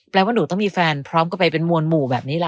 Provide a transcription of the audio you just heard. ว่าหนูต้องมีแฟนพร้อมกันไปเป็นมวลหมู่แบบนี้เหรอ